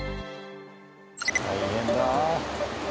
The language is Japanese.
大変だ。